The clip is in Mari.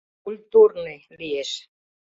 Культурный, лиеш...